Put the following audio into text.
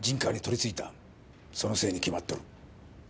そのせいに決まっとる。